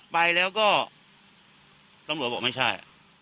ไปแล้วก็ตำรวจบอกไม่ใช่